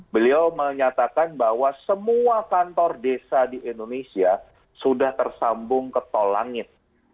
beliau menyatakan bahwa semua kantor desa di indonesia sudah tersambung ke tol langit